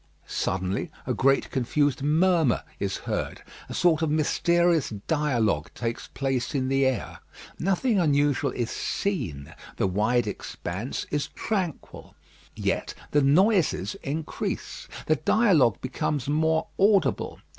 Suddenly a great confused murmur is heard. A sort of mysterious dialogue takes place in the air. Nothing unusual is seen. The wide expanse is tranquil. Yet the noises increase. The dialogue becomes more audible.